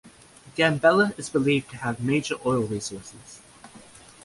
Gambela is believed to have major oil resources.